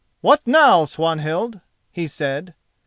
"What now, Swanhild?" he said.